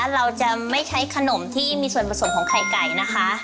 เราจะไม่ใช้ขนมที่มีส่วนผสมของไข่ไก่นะคะ